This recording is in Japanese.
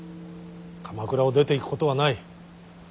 鎌倉を出ていくことはない。